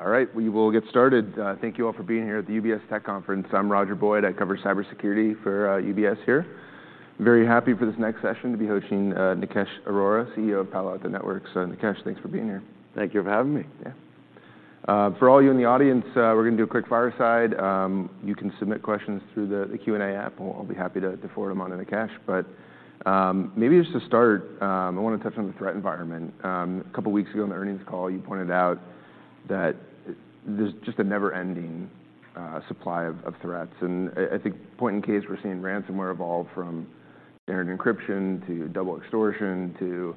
All right, we will get started. Thank you all for being here at the UBS Tech Conference. I'm Roger Boyd. I cover Cybersecurity for UBS here. Very happy for this next session to be hosting Nikesh Arora, CEO of Palo Alto Networks. Nikesh, thanks for being here. Thank you for having me. Yeah. For all you in the audience, we're gonna do a quick fireside. You can submit questions through the, the Q&A app, and we'll, I'll be happy to, to forward them on to Nikesh. But, maybe just to start, I wanna touch on the threat environment. A couple weeks ago on the earnings call, you pointed out that there's just a never-ending supply of threats. And I think point in case, we're seeing ransomware evolve from standard encryption, to double extortion, to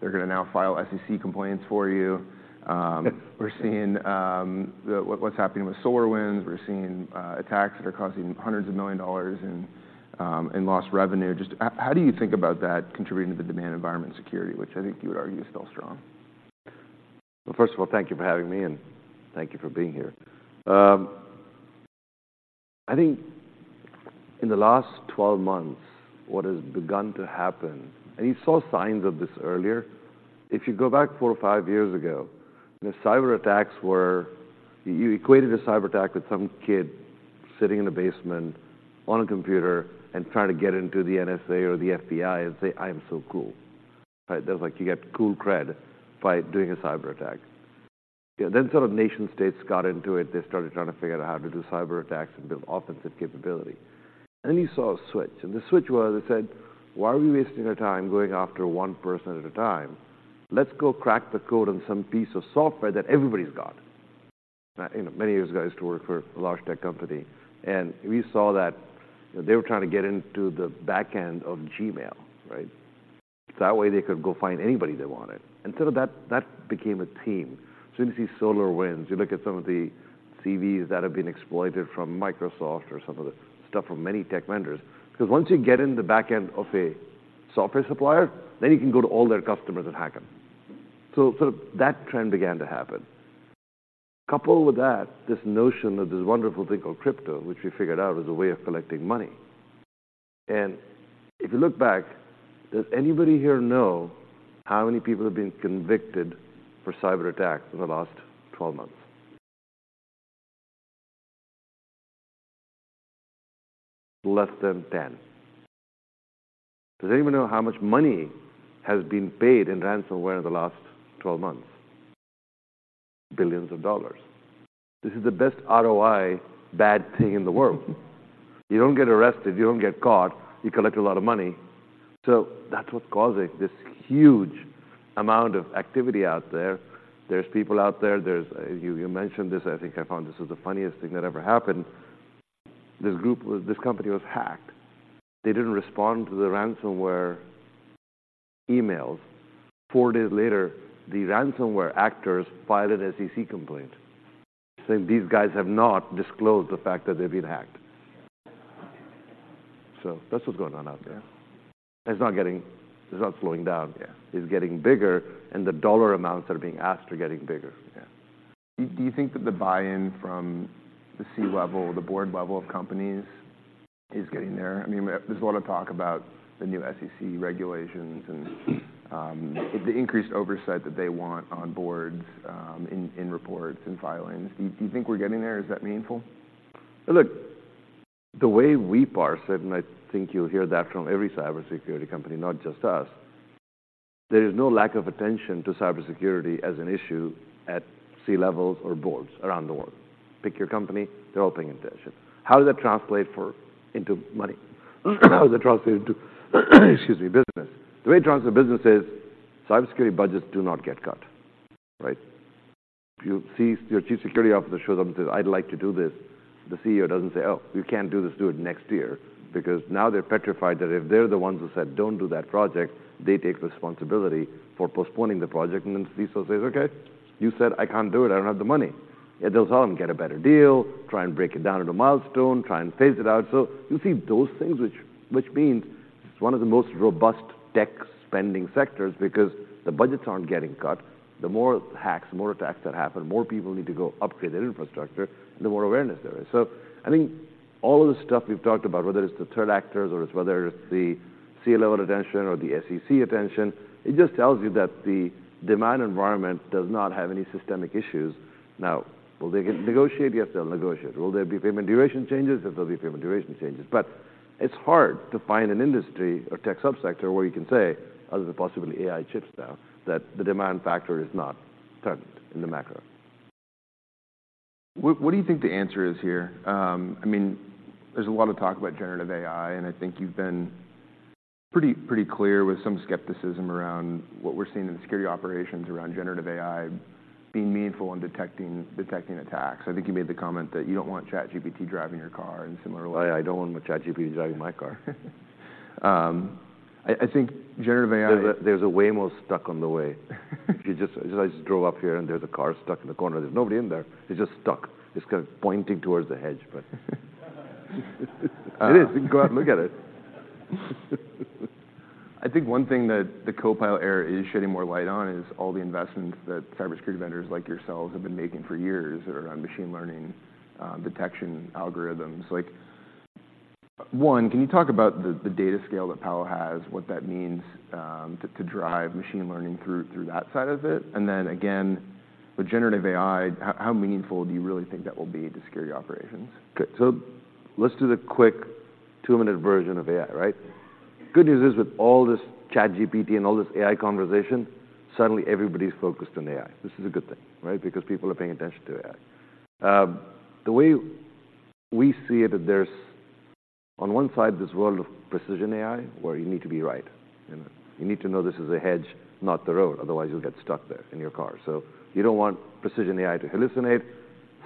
they're gonna now file SEC complaints for you. We're seeing the, what, what's happening with SolarWinds. We're seeing attacks that are causing hundreds of millions of dollars in lost revenue. Just how do you think about that contributing to the demand environment security, which I think you would argue is still strong? Well, first of all, thank you for having me, and thank you for being here. I think in the last 12 months, what has begun to happen, and you saw signs of this earlier, if you go back four or five years ago, the cyberattacks were... You equated a cyberattack with some kid sitting in a basement on a computer and trying to get into the NSA or the FBI and say, "I'm so cool." Right? That was like, you get cool cred by doing a cyberattack. Yeah, then sort of nation-states got into it. They started trying to figure out how to do cyberattacks and build offensive capability. And then you saw a switch, and the switch was, it said: "Why are we wasting our time going after one person at a time? Let's go crack the code on some piece of software that everybody's got." You know, many of you guys used to work for a large tech company, and we saw that, you know, they were trying to get into the back end of Gmail, right? So that way, they could go find anybody they wanted. And sort of that, that became a theme. So when you see SolarWinds, you look at some of the CVEs that have been exploited from Microsoft or some of the stuff from many tech vendors, 'cause once you get in the back end of a software supplier, then you can go to all their customers and hack them. So sort of that trend began to happen. Coupled with that, this notion of this wonderful thing called crypto, which we figured out is a way of collecting money. If you look back, does anybody here know how many people have been convicted for cyberattacks in the last 12 months? Less than 10. Does anyone know how much money has been paid in ransomware in the last 12 months? Billions of dollars. This is the best ROI bad thing in the world. You don't get arrested, you don,t get caught, you collect a lot of money. So that's what's causing this huge amount of activity out there. There's people out there, there's... You, you mentioned this, I think I found this was the funniest thing that ever happened. This group was, this company was hacked. They didn't respond to the ransomware emails. Four days later, the ransomware actors filed an SEC complaint, saying, "These guys have not disclosed the fact that they've been hacked." So that's what's going on out there. It's not getting... It's not slowing down. Yeah. It's getting bigger, and the dollar amounts that are being asked are getting bigger. Yeah. Do you think that the buy-in from the C-level, the board level of companies is getting there? I mean, there's a lot of talk about the new SEC regulations and the increased oversight that they want on boards in reports and filings. Do you think we're getting there? Is that meaningful? Look, the way we parse it, and I think you'll hear that from every cybersecurity company, not just us, there is no lack of attention to cybersecurity as an issue at C-levels or boards around the world. Pick your company, they're all paying attention. How does that translate for, into money? How does that translate into, excuse me, business? The way it translates to business is cybersecurity budgets do not get cut, right? You see your chief security officer show them, says, "I'd like to do this," the CEO doesn't say, "Oh, you can't do this. Do it next year." Because now they're petrified that if they're the ones who said, "Don't do that project," they take responsibility for postponing the project, and then CISO says, "Okay, you said I can't do it. I don't have the money." They'll tell them, "Get a better deal. Try and break it down into milestone. Try and phase it out." So you see those things which, which means it's one of the most robust tech spending sectors because the budgets aren't getting cut. The more hacks, the more attacks that happen, the more people need to go upgrade their infrastructure, and the more awareness there is. So I think all of the stuff we've talked about, whether it's the threat actors or it's whether it's the C-level attention or the SEC attention, it just tells you that the demand environment does not have any systemic issues. Now, will they get negotiate? Yes, they'll negotiate. Will there be payment duration changes? There'll be payment duration changes. But it's hard to find an industry or tech subsector where you can say, other than possibly AI chips now, that the demand factor is not turned in the macro. What do you think the answer is here? I mean, there's a lot of talk about generative AI, and I think you've been pretty clear with some skepticism around what we're seeing in the security operations around generative AI being meaningful in detecting attacks. I think you made the comment that you don't want ChatGPT driving your car, and similarly- I don't want ChatGPT driving my car. I think generative AI- There's a Waymo stuck on the way. If you just... I just drove up here, and there's a car stuck in the corner. There's nobody in there. It's just stuck. It's kind of pointing towards the hedge, but... It is. You can go out and look at it. I think one thing that the Copilot era is shedding more light on is all the investments that cybersecurity vendors like yourselves have been making for years around machine learning, detection algorithms. One, can you talk about the data scale that Palo has, what that means, to drive machine learning through that side of it? And then again, with generative AI, how meaningful do you really think that will be to security operations? Good. So let's do the quick two-minute version of AI, right? Good news is, with all this ChatGPT and all this AI conversation, suddenly everybody's focused on AI. This is a good thing, right? Because people are paying attention to AI. The way we see it, that there's, on one side, this world of precision AI, where you need to be right, and you need to know this is a hedge, not the road, otherwise you'll get stuck there in your car. So you don't want precision AI to hallucinate.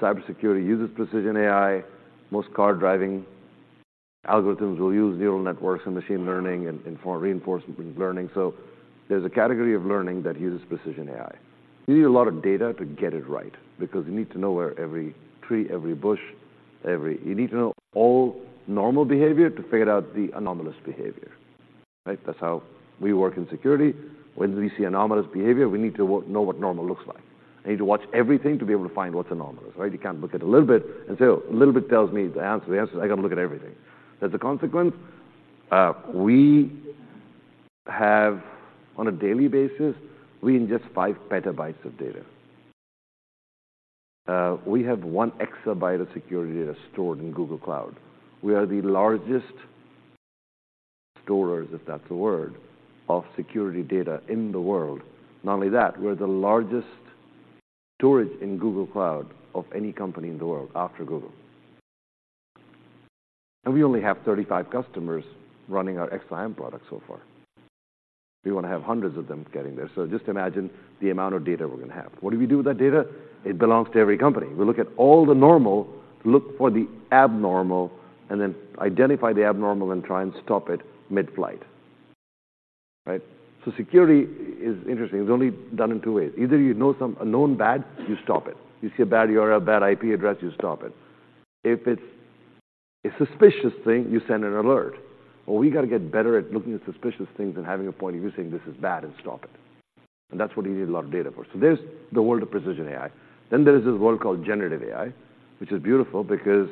Cybersecurity uses precision AI. Most car driving algorithms will use neural networks and machine learning and for reinforcement learning. So there's a category of learning that uses precision AI. You need a lot of data to get it right, because you need to know where every tree, every bush, every... You need to know all normal behavior to figure out the anomalous behavior, right? That's how we work in security. When we see anomalous behavior, we need to know what normal looks like, and need to watch everything to be able to find what's anomalous, right? You can't look at a little bit and say, "Oh, a little bit tells me the answer. The answer, I got to look at everything." As a consequence, we have on a daily basis, we ingest 5 PB of data. We have 1 EB of security data stored in Google Cloud. We are the largest storers, if that's a word, of security data in the world. Not only that, we're the largest storage in Google Cloud of any company in the world, after Google. And we only have 35 customers running our XSIAM product so far. We want to have hundreds of them getting there. So just imagine the amount of data we're gonna have. What do we do with that data? It belongs to every company. We look at all the normal, look for the abnormal, and then identify the abnormal and try and stop it mid-flight, right? So security is interesting. It's only done in two ways. Either you know some known bad, you stop it. You see a bad URL, bad IP address, you stop it. If it's a suspicious thing, you send an alert, or we got to get better at looking at suspicious things and having a point of view, saying, "This is bad," and stop it. And that's what you need a lot of data for. So there's the world of precision AI. Then there is this world called generative AI, which is beautiful because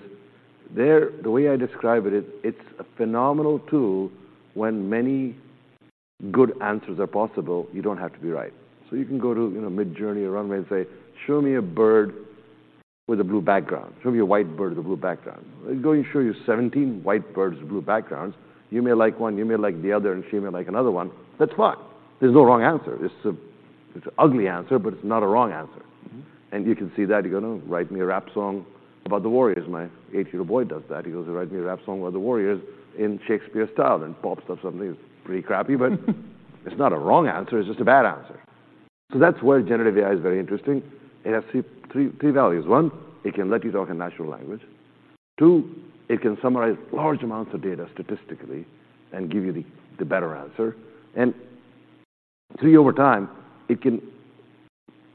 there... The way I describe it is, it's a phenomenal tool when many good answers are possible, you don't have to be right. So you can go to, you know, Midjourney or Runway and say, "Show me a bird with a blue background. Show me a white bird with a blue background." It's going to show you 17 white birds with blue backgrounds. You may like one, you may like the other, and she may like another one. That's fine. There's no wrong answer. It's a, it's an ugly answer, but it's not a wrong answer. Mm-hmm. You can see that. You go to, "Write me a rap song about the Warriors." My 8-year-old boy does that. He goes, "Write me a rap song about the Warriors in Shakespeare style," and pops up something pretty crappy, but it's not a wrong answer, it's just a bad answer. So that's where generative AI is very interesting. It has three values. One, it can let you talk in natural language. Two, it can summarize large amounts of data statistically and give you the better answer. And three, over time, it can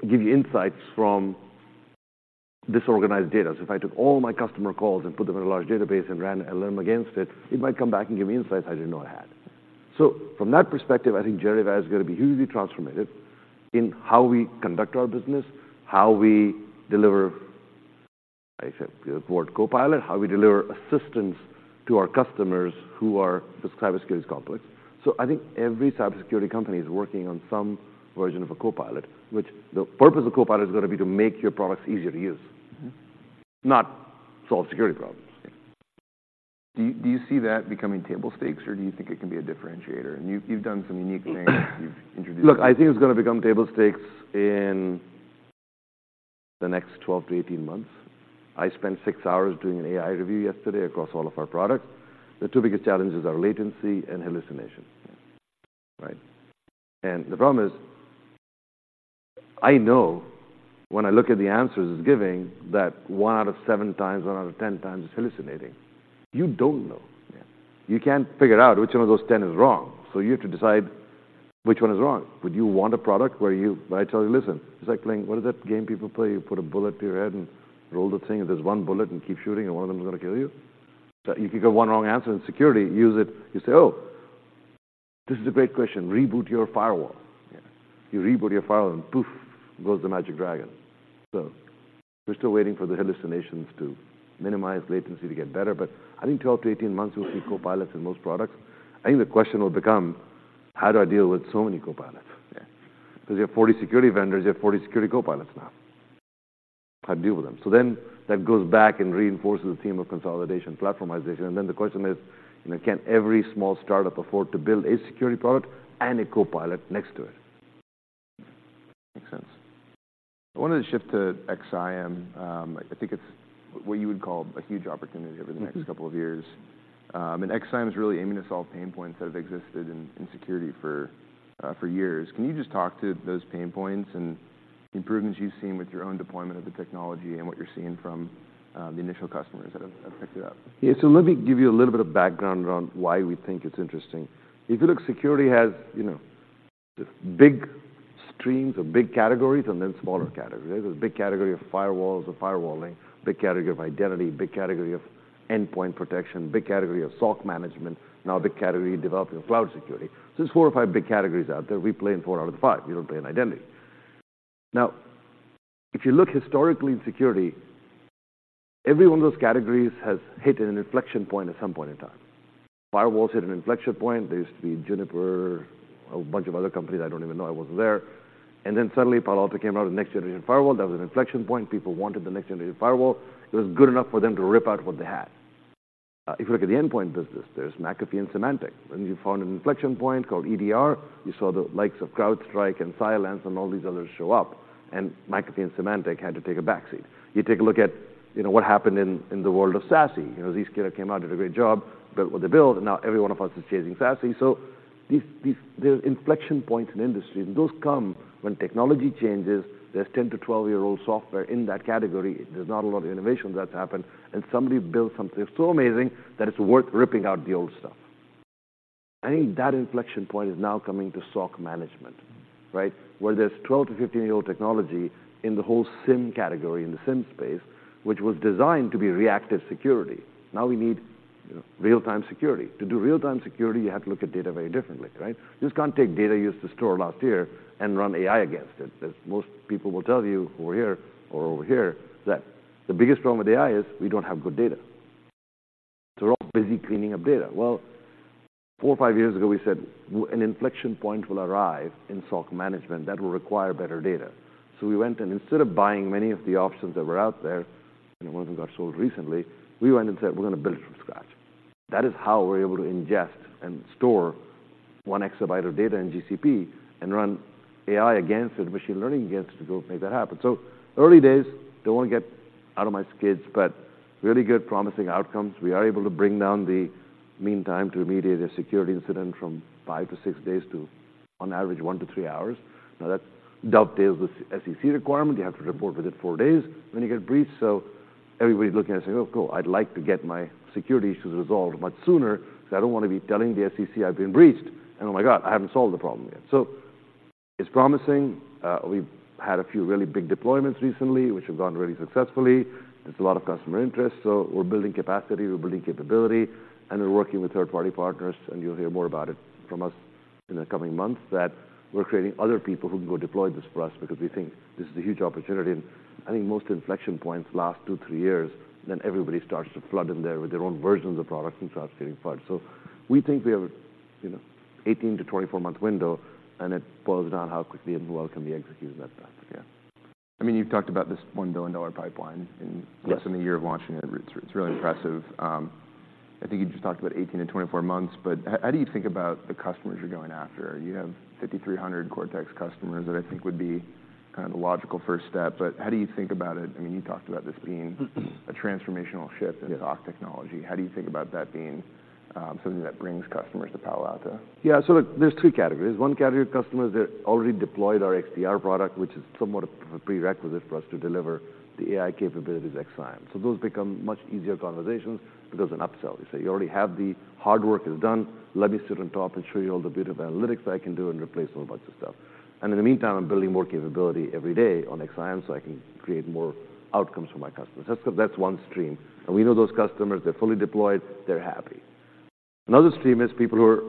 give you insights from disorganized data. So if I took all my customer calls and put them in a large database and ran and learned them against it, it might come back and give me insights I didn't know I had. So from that perspective, I think generative is gonna be hugely transformative in how we conduct our business, how we deliver... I said the word Copilot, how we deliver assistance to our customers who are—the cybersecurity is complex. So I think every cybersecurity company is working on some version of a Copilot, which the purpose of Copilot is gonna be to make your products easier to use- Mm-hmm... not solve security problems. Do you see that becoming table stakes, or do you think it can be a differentiator? And you've done some unique things. You've introduced- Look, I think it's gonna become table stakes in the next 12-18 months. I spent six hours doing an AI review yesterday across all of our products. The two biggest challenges are latency and hallucination. Yeah. Right? The problem is, I know when I look at the answers it's giving, that one out of seven times, one out of 10 times, it's hallucinating. You don't know. Yeah. You can't figure out which one of those 10 is wrong, so you have to decide which one is wrong. Would you want a product where you, where I tell you, "Listen," it's like playing... What is that game people play? You put a bullet to your head and roll the thing, and there's one bullet and keep shooting, and one of them is gonna kill you. That you could get one wrong answer in security, use it. You say, "Oh, this is a great question. Reboot your firewall. Yeah. You reboot your firewall, and poof! Goes the magic dragon. So we're still waiting for the hallucinations to minimize, latency to get better, but I think 12-18 months, we'll see copilots in most products. I think the question will become: How do I deal with so many copilots? Yeah. Because you have 40 security vendors, you have 40 security copilots now. How to deal with them? So then that goes back and reinforces the theme of consolidation, platformization. And then the question is, can every small start-up afford to build a security product and a copilot next to it? Makes sense. I wanted to shift to XSIAM. I think it's what you would call a huge opportunity over- Mm-hmm... the next couple of years. And XSIAM is really aiming to solve pain points that have existed in security for years. Can you just talk to those pain points and improvements you've seen with your own deployment of the technology and what you're seeing from the initial customers that have picked it up? Yeah. So let me give you a little bit of background around why we think it's interesting. If you look, security has, you know, big streams or big categories and then smaller categories. There's a big category of firewalls or firewalling, big category of identity, big category of endpoint protection, big category of SOC management, now a big category developing cloud security. So there's four or five big categories out there. We play in four out of the five. We don't play in identity.... Now, if you look historically in security, every one of those categories has hit an inflection point at some point in time. Firewalls hit an inflection point. There used to be Juniper, a bunch of other companies I don't even know, I wasn't there. And then suddenly, Palo Alto came out with a next-generation firewall. That was an inflection point. People wanted the next-generation firewall. It was good enough for them to rip out what they had. If you look at the endpoint business, there's McAfee and Symantec, and you found an inflection point called EDR. You saw the likes of CrowdStrike and Cylance, and all these others show up, and McAfee and Symantec had to take a backseat. You take a look at, you know, what happened in, in the world of SASE. You know, Zscaler came out, did a great job, built what they build, and now every one of us is chasing SASE. So these, these, there are inflection points in the industry, and those come when technology changes. There's 10-to-12-year-old software in that category. There's not a lot of innovation that's happened, and somebody builds something so amazing that it's worth ripping out the old stuff. I think that inflection point is now coming to SOC management, right? Where there's 12-to -15-year-old technology in the whole SIEM category, in the SIEM space, which was designed to be reactive security. Now we need, you know, real-time security. To do real-time security, you have to look at data very differently, right? You just can't take data you used to store last year and run AI against it. As most people will tell you, who are here or over here, that the biggest problem with AI is we don't have good data. So we're all busy cleaning up data. Well, four or five years ago, we said, "Well, an inflection point will arrive in SOC management that will require better data." So we went and instead of buying many of the options that were out there, and one of them got sold recently, we went and said, "We're gonna build it from scratch." That is how we're able to ingest and store 1 EB of data in GCP and run AI against it and machine learning against it to go make that happen. So early days, don't want to get out of my skids, but really good, promising outcomes. We are able to bring down the meantime to remediate a security incident from five to six days to, on average, one to three hours. Now, that dovetails with SEC requirement. You have to report within four days when you get breached. So everybody's looking and saying, "Oh, cool, I'd like to get my security issues resolved much sooner, so I don't want to be telling the SEC I've been breached, and oh, my God, I haven't solved the problem yet." So it's promising. We've had a few really big deployments recently, which have gone really successfully. There's a lot of customer interest, so we're building capacity, we're building capability, and we're working with third-party partners, and you'll hear more about it from us in the coming months. That we're creating other people who can go deploy this for us because we think this is a huge opportunity. And I think most inflection points last two, three years, then everybody starts to flood in there with their own versions of products and starts getting parts. We think we have a, you know, 18-24-month window, and it boils down to how quickly and well it can be executed at that, yeah. I mean, you've talked about this $1 billion dollar pipeline- Yes. -and less than a year of launching it. It's, it's really impressive. I think you just talked about 18-24 months, but how, how do you think about the customers you're going after? You have 5,300 Cortex customers that I think would be kind of the logical first step, but how do you think about it? I mean, you talked about this being- Mm-hmm. a transformational shift Yes in SOC technology. How do you think about that being something that brings customers to Palo Alto? Yeah. So look, there's three categories. One category of customers, they've already deployed our XDR product, which is somewhat a prerequisite for us to deliver the AI capabilities XSIAM. So those become much easier conversations because an upsell. You say you already have the hard work is done. Let me sit on top and show you all the bit of analytics I can do and replace a whole bunch of stuff. And in the meantime, I'm building more capability every day on XSIAM, so I can create more outcomes for my customers. That's, that's one stream, and we know those customers. They're fully deployed, they're happy. Another stream is people who are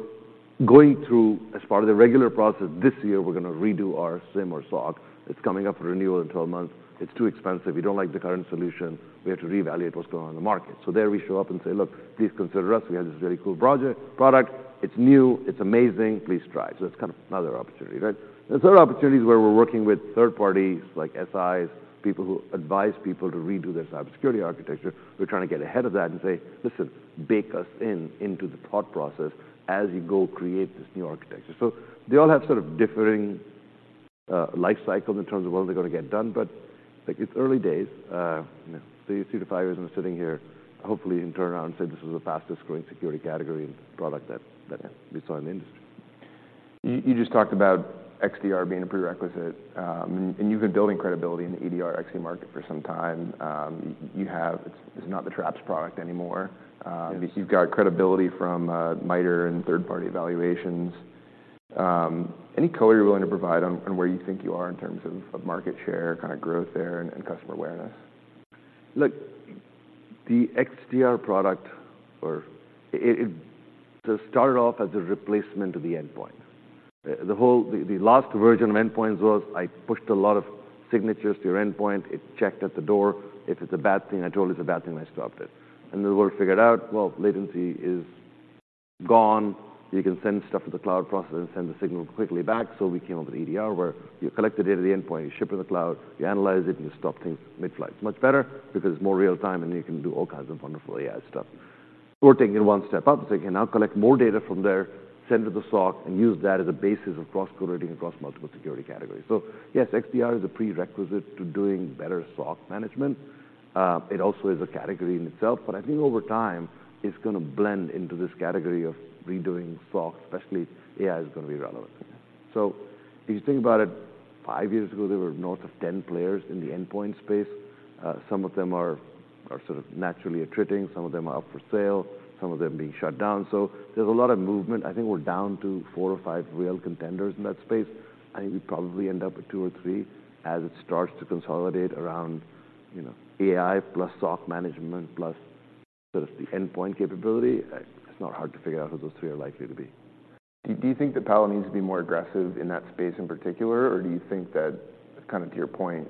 going through as part of their regular process. "This year, we're gonna redo our SIEM or SOC. It's coming up for renewal in 12 months. It's too expensive. We don't like the current solution. We have to reevaluate what's going on in the market." So there we show up and say, "Look, please consider us. We have this very cool project, product. It's new, it's amazing. Please try." So that's kind of another opportunity, right? There's other opportunities where we're working with third parties, like SIs, people who advise people to redo their cybersecurity architecture. We're trying to get ahead of that and say, "Listen, bake us in into the thought process as you go create this new architecture." So they all have sort of differing, life cycles in terms of when they're gonna get done, but, like, it's early days. You know, so two to five years, I'm sitting here, hopefully, you can turn around and say, "This is the fastest-growing security category and product that, that we saw in the industry. You, you just talked about XDR being a prerequisite, and you've been building credibility in the EDR/XDR market for some time. You have— It's, it's not the Traps product anymore. Yes. You've got credibility from MITRE and third-party evaluations. Any color you're willing to provide on where you think you are in terms of market share, kind of growth there and customer awareness? Look, the XDR product, or it, started off as a replacement to the endpoint. The whole. The last version of endpoints was, I pushed a lot of signatures to your endpoint. It checked at the door. If it's a bad thing, I told it's a bad thing, and I stopped it. The world figured out, well, latency is gone. You can send stuff to the cloud process and send the signal quickly back. So we came up with EDR, where you collect the data at the endpoint, you ship to the cloud, you analyze it, and you stop things mid-flight. Much better because it's more real-time, and you can do all kinds of wonderful AI stuff. We're taking it one step up, so you can now collect more data from there, send to the SOC, and use that as a basis of cross-correlating across multiple security categories. So yes, XDR is a prerequisite to doing better SOC management. It also is a category in itself, but I think over time it's gonna blend into this category of redoing SOC, especially AI, is gonna be relevant. So if you think about it, five years ago, there were north of 10 players in the endpoint space. Some of them are sort of naturally attriting, some of them are up for sale, some of them being shut down. So there's a lot of movement. I think we're down to four or five real contenders in that space. I think we probably end up with two or three as it starts to consolidate around, you know, AI plus SOC management, plus sort of the endpoint capability. It's not hard to figure out who those three are likely to be.... Do you think that Palo needs to be more aggressive in that space in particular, or do you think that, kind of to your point,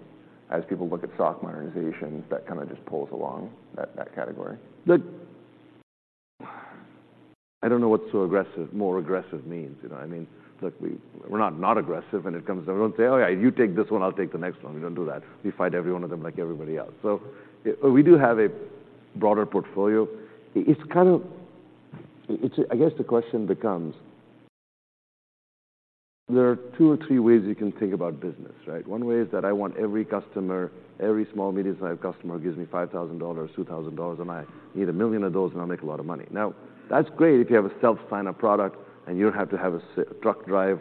as people look at SOC modernization, that kind of just pulls along that category? Look, I don't know what so aggressive, more aggressive means, you know? I mean, look, we, we're not not aggressive, when it comes down. We don't say, "Oh, yeah, you take this one, I'll take the next one." We don't do that. We fight every one of them like everybody else. So we do have a broader portfolio. It's kind of, I guess the question becomes. There are two or three ways you can think about business, right? One way is that I want every customer, every small, medium-sized customer, who gives me $5,000, $2,000, and I need 1 million of those, and I'll make a lot of money. Now, that's great if you have a self-sign-up product and you don't have to have a sales truck drive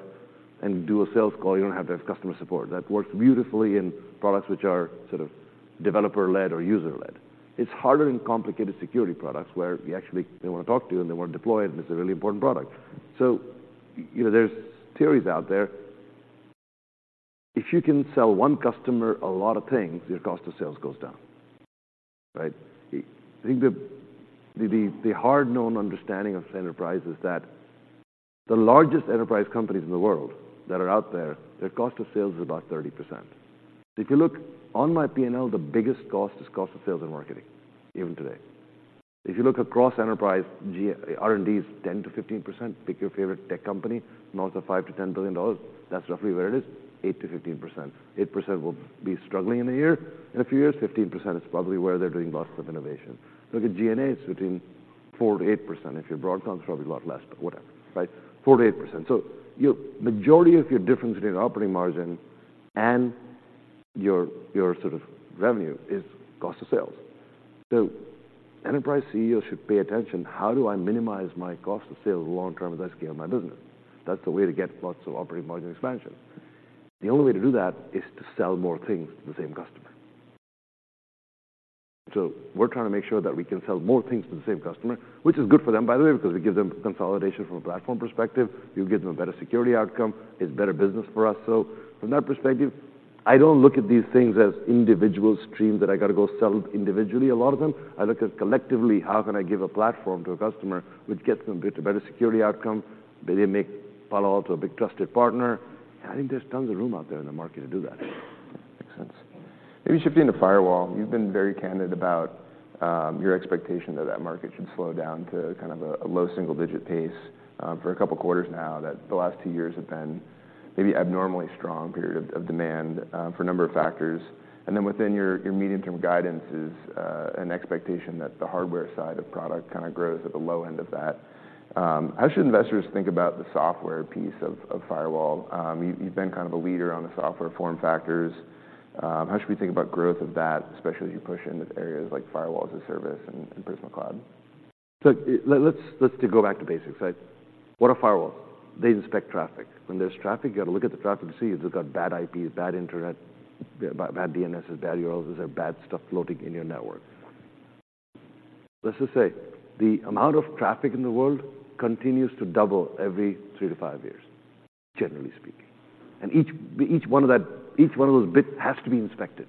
and do a sales call. You don't have to have customer support. That works beautifully in products which are sort of developer-led or user-led. It's harder in complicated security products, where you actually, they want to talk to you, and they want to deploy it, and it's a really important product. So, you know, there's theories out there. If you can sell one customer a lot of things, your cost of sales goes down, right? I think the hard-known understanding of enterprise is that the largest enterprise companies in the world that are out there, their cost of sales is about 30%. If you look on my P&L, the biggest cost is cost of sales and marketing, even today. If you look across enterprise, G&A, R&D is 10%-15%. Pick your favorite tech company, north of $5 billion-$10 billion, that's roughly where it is, 8%-15%. 8% will be struggling in a year. In a few years, 15% is probably where they're doing lots of innovation. Look at G&A, it's between 4%-8%. If you're Broadcom, it's probably a lot less, but whatever, right? 4%-8%. So majority of your difference between operating margin and your sort of revenue is cost of sales. So enterprise CEOs should pay attention: how do I minimize my cost of sales long term as I scale my business? That's the way to get lots of operating margin expansion. The only way to do that is to sell more things to the same customer. So we're trying to make sure that we can sell more things to the same customer, which is good for them, by the way, because it gives them consolidation from a platform perspective. You give them a better security outcome. It's better business for us. So from that perspective, I don't look at these things as individual streams that I got to go sell individually, a lot of them. I look at collectively, how can I give a platform to a customer, which gets them a bit of a better security outcome? They make Palo Alto a big trusted partner. I think there's tons of room out there in the market to do that. Makes sense. Maybe shifting to firewall, you've been very candid about your expectation that that market should slow down to kind of a low single-digit pace for a couple quarters now, that the last two years have been maybe abnormally strong period of demand for a number of factors. And then within your medium-term guidance is an expectation that the hardware side of product kind of grows at the low end of that. How should investors think about the software piece of firewall? You've been kind of a leader on the software form factors. How should we think about growth of that, especially as you push into areas like firewall as a service and Prisma Cloud? So, let's go back to basics, right? What are firewalls? They inspect traffic. When there's traffic, you got to look at the traffic to see if it's got bad IPs, bad internet, bad DNSs, bad URLs. Is there bad stuff floating in your network? Let's just say, the amount of traffic in the world continues to double every three to five years, generally speaking, and each one of those bits has to be inspected,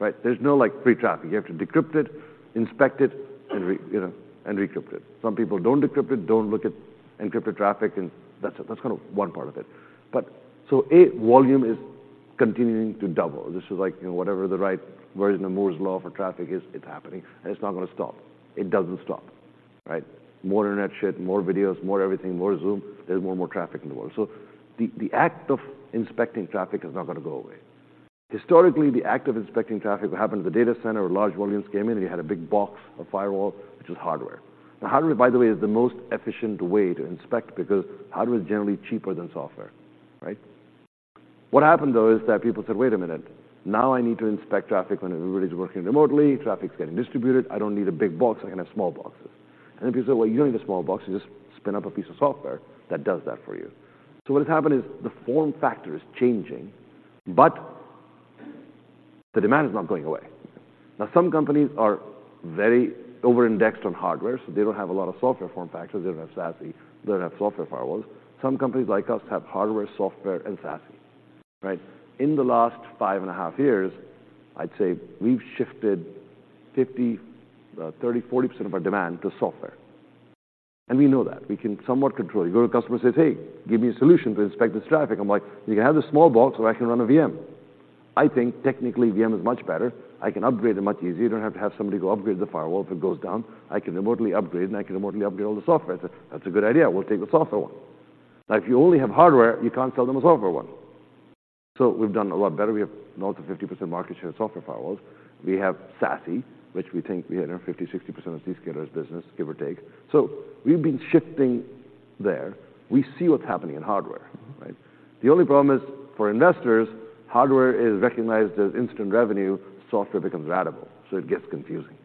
right? There's no, like, free traffic. You have to decrypt it, inspect it, and, you know, re-encrypt it. Some people don't decrypt it, don't look at encrypted traffic, and that's kind of one part of it. But, so, a volume is continuing to double. This is like, you know, whatever the right version of Moore's law for traffic is, it's happening, and it's not gonna stop. It doesn't stop, right? More internet shit, more videos, more everything, more Zoom. There's more and more traffic in the world. So the, the act of inspecting traffic is not gonna go away. Historically, the act of inspecting traffic happened in the data center or large volumes came in, and you had a big box of firewall, which is hardware. Now, hardware, by the way, is the most efficient way to inspect, because hardware is generally cheaper than software, right? What happened, though, is that people said: Wait a minute, now I need to inspect traffic when everybody's working remotely. Traffic's getting distributed. I don't need a big box. I can have small boxes. And then people said, "Well, you don't need a small box. You just spin up a piece of software that does that for you." So what has happened is the form factor is changing, but the demand is not going away. Now, some companies are very over-indexed on hardware, so they don't have a lot of software form factors. They don't have SASE. They don't have software firewalls. Some companies, like us, have hardware, software, and SASE, right? In the last 5.5 years, I'd say we've shifted 30%-40% of our demand to software, and we know that. We can somewhat control it. You go to a customer and says, "Hey, give me a solution to inspect this traffic." I'm like: "You can have the small box, or I can run a VM." I think technically, VM is much better. I can upgrade it much easier. You don't have to have somebody go upgrade the firewall if it goes down. I can remotely upgrade, and I can remotely upgrade all the software. "That's a good idea. We'll take the software one." Now, if you only have hardware, you can't sell them a software one. So we've done a lot better. We have north of 50% market share in software firewalls. We have SASE, which we think we have 50%-60% of Zscaler's business, give or take. So we've been shifting there. We see what's happening in hardware, right? The only problem is, for investors, hardware is recognized as instant revenue, software becomes ratable, so it gets confusing,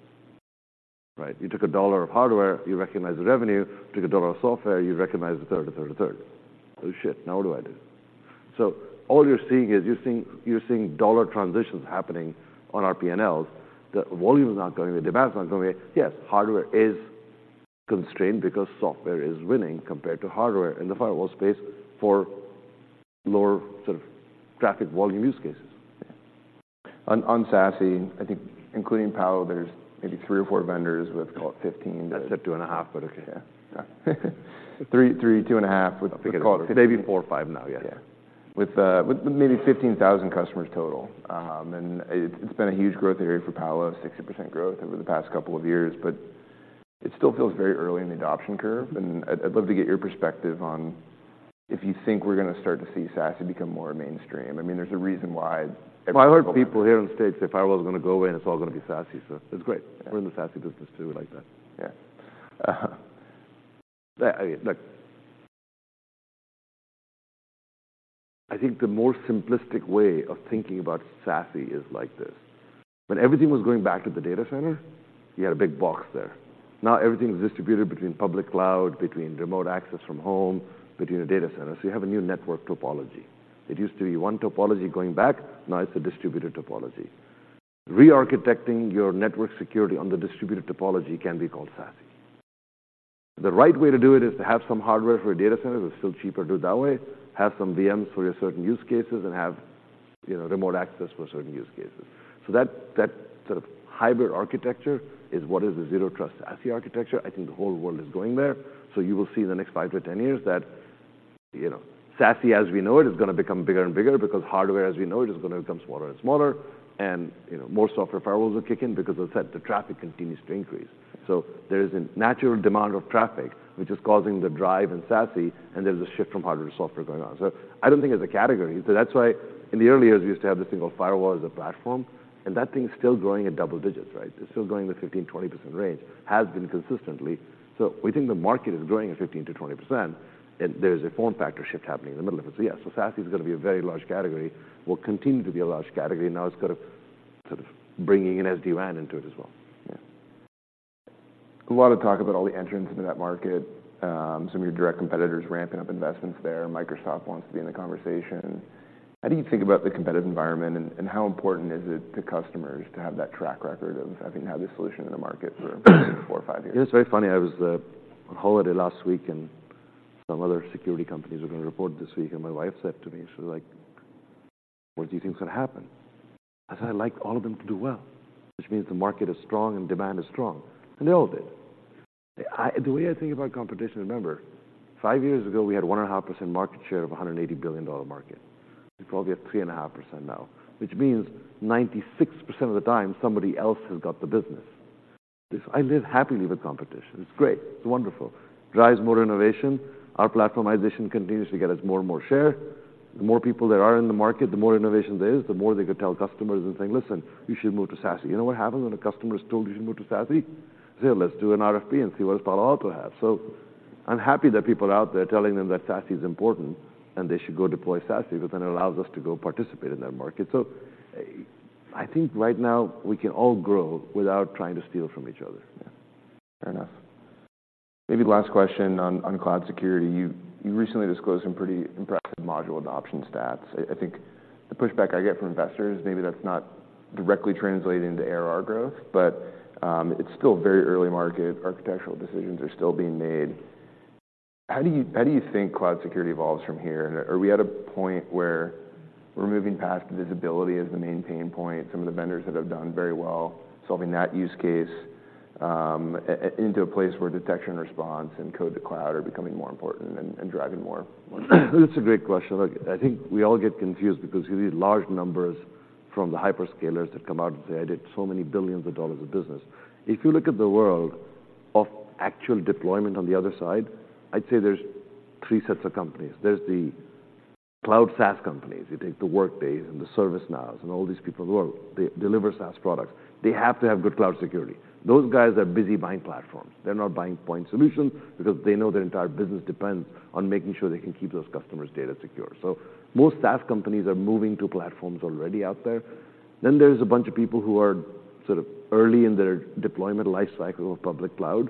right? You took $1 of hardware, you recognize the revenue. Took $1 of software, you recognize a third, a third, a third. Oh, shit, now what do I do? So all you're seeing is dollar transitions happening on our P&Ls. The volume is not going away. The demand is not going away. Yes, hardware is constrained because software is winning compared to hardware in the firewall space for lower sort of traffic volume use cases.... On SASE, I think including Palo, there's maybe three or four vendors with, call it fifteen- I said 2.5, but okay, yeah. 3, 3, 2.5, with call it maybe- four or five now, yeah. Yeah. With maybe 15,000 customers total. And it's been a huge growth area for Palo, 60% growth over the past couple of years, but it still feels very early in the adoption curve, and I'd love to get your perspective on if you think we're gonna start to see SASE become more mainstream. I mean, there's a reason why- Well, I heard people here in the States say firewall is gonna go away, and it's all gonna be SASE, so it's great. Yeah. We're in the SASE business, too. We like that. Yeah. Look, I think the more simplistic way of thinking about SASE is like this: when everything was going back to the data center, you had a big box there. Now, everything is distributed between public cloud, between remote access from home, between the data center, so you have a new network topology. It used to be one topology going back. Now, it's a distributed topology. Re-architecting your network security on the distributed topology can be called SASE. The right way to do it is to have some hardware for a data center. It's still cheaper to do it that way, have some VMs for your certain use cases and have, you know, remote access for certain use cases. So that, that sort of hybrid architecture is what is the Zero Trust SASE architecture. I think the whole world is going there. You will see in the next 5 to 10 years that, you know, SASE, as we know it, is gonna become bigger and bigger because hardware, as we know it, is gonna become smaller and smaller, and, you know, more software firewalls will kick in because, as I said, the traffic continues to increase. There is a natural demand of traffic, which is causing the drive in SASE, and there's a shift from hardware to software going on. I don't think it's a category. That's why in the early years, we used to have this thing called firewall as a platform, and that thing's still growing at double digits, right? It's still growing at 15%-20% range, has been consistently. We think the market is growing at 15%-20%, and there is a form factor shift happening in the middle of it. So, yeah, so SASE is gonna be a very large category, will continue to be a large category. Now, it's kind of sort of bringing in SD-WAN into it as well. Yeah. A lot of talk about all the entrants into that market, some of your direct competitors ramping up investments there. Microsoft wants to be in the conversation. How do you think about the competitive environment, and how important is it to customers to have that track record of having had this solution in the market for four or five years? It's very funny. I was on holiday last week, and some other security companies are gonna report this week, and my wife said to me, she was like, "What do you think is gonna happen?" I said, "I'd like all of them to do well," which means the market is strong and demand is strong, and they all did. The way I think about competition, remember, 5 years ago, we had 1.5% market share of a $180 billion market. We probably have 3.5% now, which means 96% of the time, somebody else has got the business. This I live happily with competition. It's great. It's wonderful. Drives more innovation. Our platformization continues to get us more and more share. The more people there are in the market, the more innovation there is, the more they could tell customers and say, "Listen, you should move to SASE." You know what happens when a customer is told, "You should move to SASE?" They say, "Let's do an RFP and see what else Palo Alto has." So I'm happy that people are out there telling them that SASE is important, and they should go deploy SASE, because then it allows us to go participate in that market. So I, I think right now, we can all grow without trying to steal from each other. Yeah, fair enough. Maybe last question on cloud security. You recently disclosed some pretty impressive module adoption stats. I think the pushback I get from investors, maybe that's not directly translating to ARR growth, but it's still very early market. Architectural decisions are still being made. How do you think cloud security evolves from here? Are we at a point where we're moving past visibility as the main pain point, some of the vendors that have done very well, solving that use case, into a place where detection response and code to cloud are becoming more important and driving more money? That's a great question. Look, I think we all get confused because you read large numbers from the hyperscalers that come out and say, "I did so many billions of dollars of business." If you look at the world of actual deployment on the other side, I'd say there's three sets of companies. There's the cloud SaaS companies. You take the Workdays and the ServiceNows and all these people who are... They deliver SaaS products. They have to have good cloud security. Those guys are busy buying platforms. They're not buying point solutions because they know their entire business depends on making sure they can keep those customers' data secure. So most SaaS companies are moving to platforms already out there. Then there's a bunch of people who are sort of early in their deployment lifecycle of public cloud.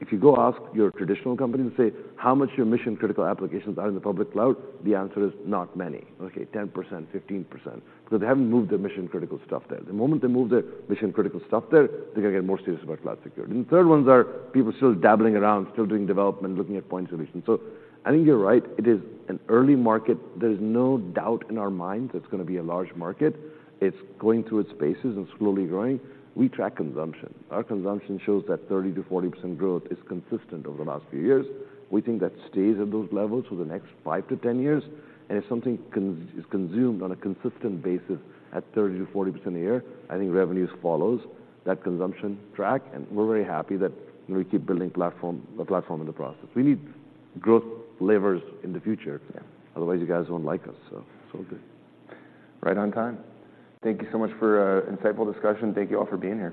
If you go ask your traditional company and say, "How much of your mission-critical applications are in the public cloud?" The answer is, "Not many." Okay, 10%, 15%, because they haven't moved their mission-critical stuff there. The moment they move their mission-critical stuff there, they're gonna get more serious about cloud security. And the third ones are people still dabbling around, still doing development, looking at point solutions. So I think you're right. It is an early market. There's no doubt in our minds it's gonna be a large market. It's going through its phases and slowly growing. We track consumption. Our consumption shows that 30%-40% growth is consistent over the last few years. We think that stays at those levels for the next five to 10 years, and if something is consumed on a consistent basis at 30%-40% a year, I think revenues follows that consumption track, and we're very happy that we keep building platform, the platform in the process. We need growth levers in the future. Yeah. Otherwise, you guys won't like us, so it's all good. Right on time. Thank you so much for an insightful discussion. Thank you all for being here.